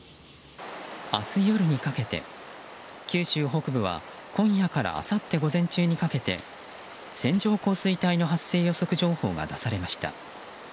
明日夜にかけて、九州北部は今夜からあさって午前中にかけて線状降水帯の発生予測情報が出されました。